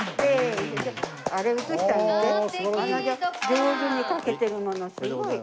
上手に書けてるものすごい。